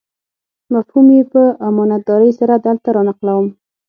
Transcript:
مفهوم یې په امانتدارۍ سره دلته رانقلوم.